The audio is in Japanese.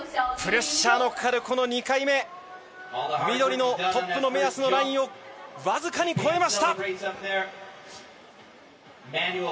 プレッシャーのかかるこの２回目緑のトップの目安のラインを僅かに越えました。